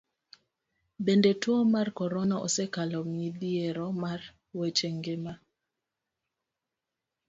Bende, tuo mar korona osekelo midhiero mar weche ngima.